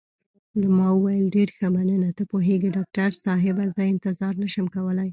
ما وویل: ډېر ښه، مننه، ته پوهېږې ډاکټر صاحبه، زه انتظار نه شم کولای.